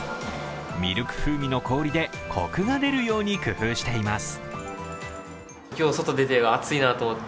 ミルク風味の氷で、こくが出るように工夫しています。